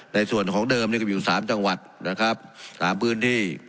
ในส่วนของเดิมนี่ก็มีอยู่๓จังหวัดนะครับ๓พื้นที่